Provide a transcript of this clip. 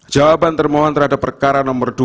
jawaban termohon terhadap perkara nomor dua